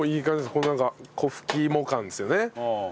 このなんか粉ふきいも感ですよね。